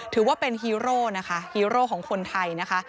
ถือว่าเป็นฮีโร่นะคะฮีโร่ของคนไทยนะคะ